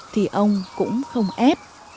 thì ông cũng không ép